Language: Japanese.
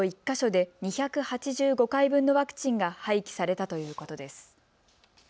１か所で２８５回分のワクチンが廃棄されたということです。